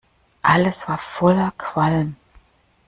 Alles war voller Qualm.